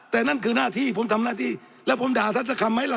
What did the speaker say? แต่นั่นคือหน้าที่ผมทำหน้าที่แล้วผมด่าท่านสักคำไหมล่ะ